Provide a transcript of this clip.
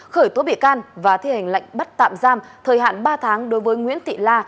khởi tố bị can và thi hành lệnh bắt tạm giam thời hạn ba tháng đối với nguyễn thị la